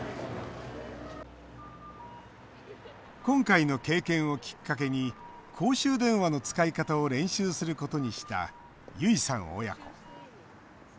今回の経験をきっかけに公衆電話の使い方を練習することにした結衣さん親子。